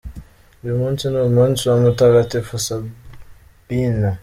Uyu munsi ni umunsi wa Mutagatifu Sabina.